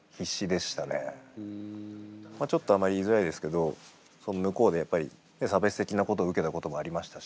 まあちょっとあんまり言いづらいですけど向こうでやっぱり差別的なことを受けたこともありましたし。